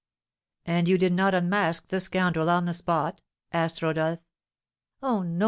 "And you did not unmask the scoundrel on the spot?" asked Rodolph. "Ah, no!